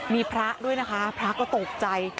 มีพระด้วยนะคะพระก็ตกใจ